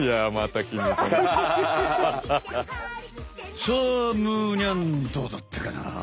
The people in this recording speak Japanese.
さあむーにゃんどうだったかな？